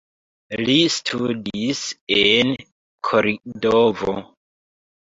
Li studis en Kordovo.